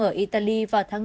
ở italy vào tháng một mươi